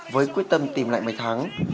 với quyết tâm tìm lại mấy thắng